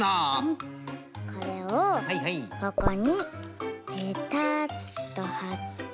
これをここにペタッとはって。